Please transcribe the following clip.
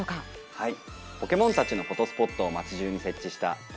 はい。